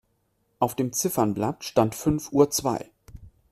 Auf dem Ziffernblatt stand fünf Uhr zwei.